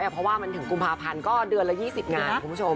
เพราะว่ามันถึงกุมภาพันธ์ก็เดือนละ๒๐งานคุณผู้ชม